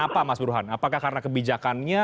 apa mas burhan apakah karena kebijakannya